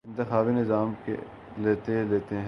انتخابی نظام کے لتے لیتے ہیں